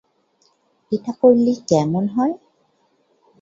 এটা করলে কেমন হয়?